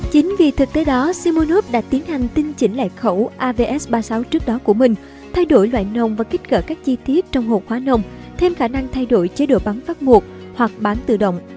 chính vì thực tế đó simonov đã tiến hành tinh chỉnh lại khẩu avs ba mươi sáu trước đó của mình thay đổi loại nông và kích cỡ các chi tiết trong hộp hóa nông thêm khả năng thay đổi chế độ bắn phát ngột hoặc bán tự động